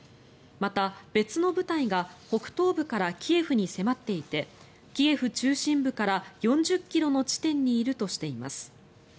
また、別の部隊が北東部からキエフに迫っていてキエフ中心部から４０ｋｍの地点にいるとしています。